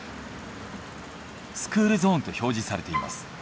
スクールゾーンと表示されています。